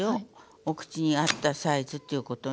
お口に合ったサイズっていうことね。